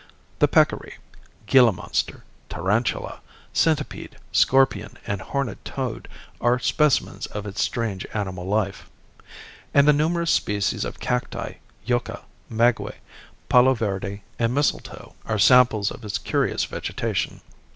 The peccary, Gila monster, tarantula, centipede, scorpion and horned toad are specimens of its strange animal life; and, the numerous species of cacti, yucca, maguey, palo verde and mistletoe are samples of its curious vegetation.